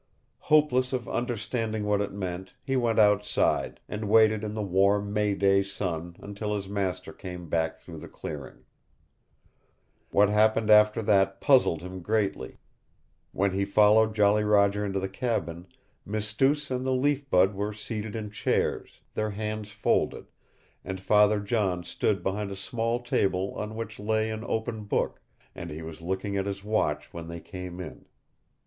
Hopeless of understanding what it meant, he went outside, and waited in the warm May day sun until his master came back through the clearing. What happened after that puzzled him greatly. When he followed Jolly Roger into the cabin Mistoos and the Leaf Bud were seated in chairs, their hands folded, and Father John stood behind a small table on which lay an open book, and he was looking at his watch when they came in.